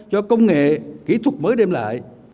cho công nghệ kỹ thuật mới đem lại